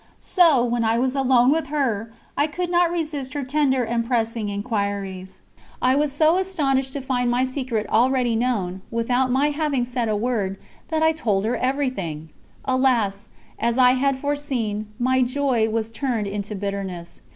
So, when I was alone with her, I could not resist her tender and pressing inquiries. I was so astonished to find my secret already known, without my having said a word, that I told her everything. Alas! as I had foreseen, my joy was turned into bitterness.